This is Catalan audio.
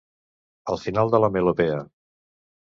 Al final de la melopea.